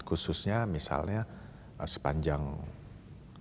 khususnya misalnya di jakarta selatan di mana kita bisa menanam pohon menghijaukan jakarta selatan